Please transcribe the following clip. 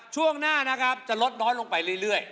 ช่วงหน้านะครับจะลดน้อยลงไปเรื่อย